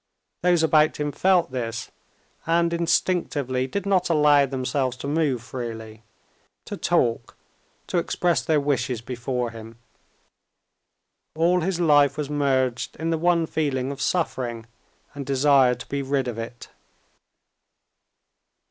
Those about him felt this, and instinctively did not allow themselves to move freely, to talk, to express their wishes before him. All his life was merged in the one feeling of suffering and desire to be rid of it.